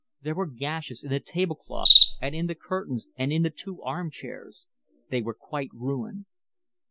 There were gashes in the table cloth and in the curtains and in the two arm chairs. They were quite ruined.